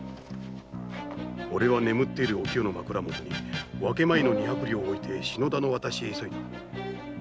俺は眠っているおきよの枕もとに分け前の二百両を置いて篠田の渡しへ急いだ。